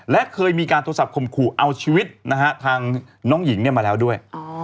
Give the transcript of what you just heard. และเคยมีการโทรศัพท์ข่มขู่เอาชีวิตนะฮะทางน้องหญิงมาแล้วด้วย